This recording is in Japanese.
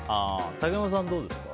竹山さん、どうですか？